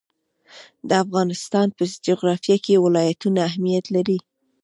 د افغانستان په جغرافیه کې ولایتونه اهمیت لري.